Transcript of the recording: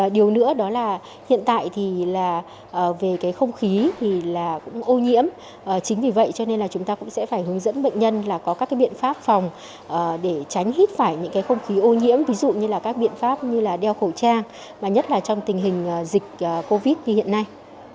điều nữa đó là hiện tại thì là về cái không khí thì là cũng ô nhiễm chính vì vậy cho nên là chúng ta cũng sẽ phải hướng dẫn bệnh nhân là có các biện pháp phòng để tránh hít phải những cái không khí ô nhiễm ví dụ như là các biện pháp như là đeo khẩu trang và nhất là trong tình hình dịch covid như hiện nay